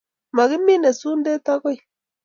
Makiminei sundet goi.